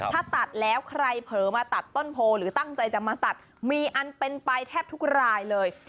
ถ้าตัดแล้วใครเผลอมาตัดต้นโพหรือตั้งใจจะมาตัดมีอันเป็นไปแทบทุกรายเลย